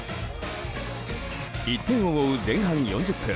１点を追う前半４０分